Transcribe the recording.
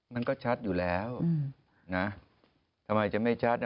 มันก็ชัดอยู่แล้วนะทำไมจะไม่ชัดอ่ะ